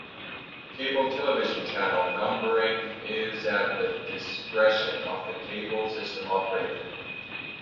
Cable television channel numbering is at the discretion of the cable system operator.